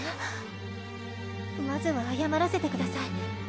まずは謝らせてください。